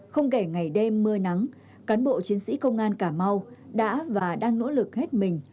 không kể ngày đêm mưa nắng cán bộ chiến sĩ công an cà mau đã và đang nỗ lực hết mình